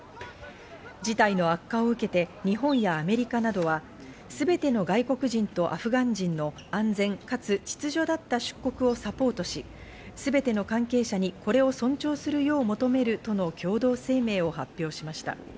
事態の悪化を受けて、日本やアメリカなどはすべての外国人とアフガン人の安全かつ秩序立った出国をサポートし、すべての関係者にこれを尊重するよう求めるとの共同声明を発表しました。